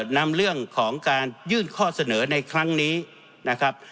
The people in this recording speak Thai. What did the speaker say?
นำเรื่องของการยื่นข้อเสนอในครั้งนี้นะครับ